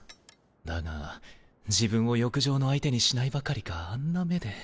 だが自分を欲情の相手にしないばかりかあんな目で。